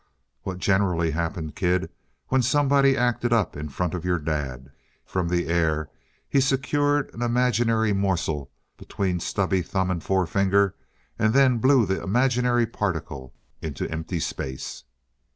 "What generally happened, kid, when somebody acted up in front of your dad?" From the air he secured an imaginary morsel between stubby thumb and forefinger and then blew the imaginary particle into empty space.